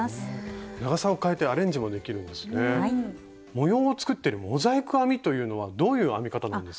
模様を作ってるモザイク編みというのはどういう編み方なんですか？